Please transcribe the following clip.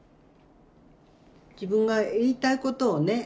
自分が言いたいことをね